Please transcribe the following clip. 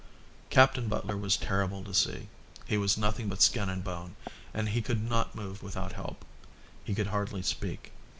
Captain Butler was terrible to see. He was nothing but skin and bone, and he could not move without help. He could hardly speak.